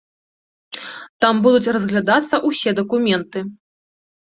Там будуць разглядацца ўсе дакументы.